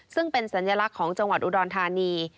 ซึ่งเป็นสัญลักษณ์ของจังหวัดอุดรธานี